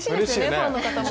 ファンの方も。